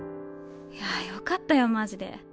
いやよかったよマジで。